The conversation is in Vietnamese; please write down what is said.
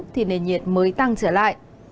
thì nền nhiệt mới tăng trở lại